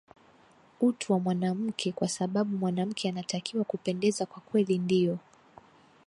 utu wa mwanamuke kwa sababu mwanamke anatakiwa kupendeza kwa kweli ndio